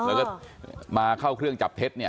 แล้วก็มาเข้าเครื่องจับเท็จเนี่ย